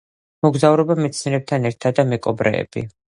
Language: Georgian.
მოგზაურობა მეცნიერებთან ერთად“ და „მეკობრეები!